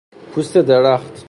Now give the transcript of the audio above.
پوست درخت